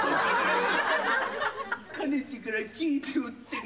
かねてから聞いておってな。